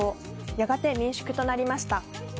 やがて民宿となりました。